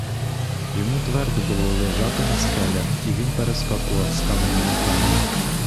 Йому твердо було лежати на скелях, і він перескакував з каменя на камінь.